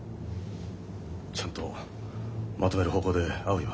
ちゃんとまとめる方向で会うよ。